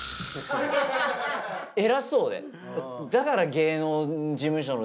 偉そうで。